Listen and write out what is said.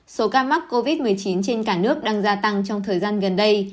số ca mắc covid một mươi chín trên cả nước đang gia tăng trong thời gian gần đây